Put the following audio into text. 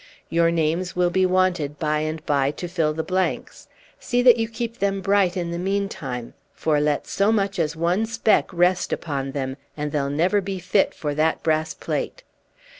Your names will be wanted by and by to fill the blanks; see that you keep them bright in the meantime; for, let so much as one speck Page 4 rest upon them, and they'll never be fit for that brass plate."